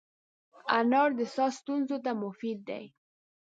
انار د ساه ستونزو ته مفید دی.